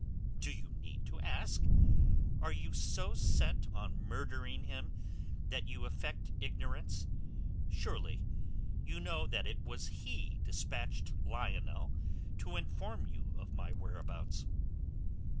"Do you need to ask? Are you so set on murdering him that you affect ignorance? Surely you know that it was he dispatched Lionel to inform you of my whereabouts?"